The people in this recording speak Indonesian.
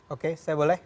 oke saya boleh